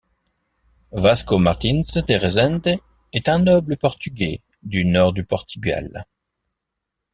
Vasco Martinz de Resende est un noble portugais du nord du Portugal.